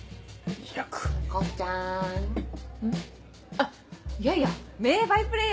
あっいやいや名バイプレーヤーだって！